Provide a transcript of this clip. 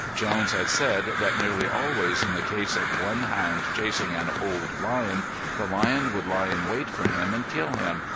Jones had said that nearly always in the case of one hound chasing an old lion, the lion would lie in wait for him and kill him.